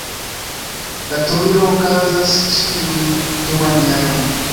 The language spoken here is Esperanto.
La turniro okazas ĉiun duan jarojn.